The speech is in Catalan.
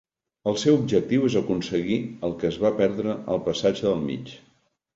El seu objectiu és aconseguir el que es va perdre al Passatge del mig.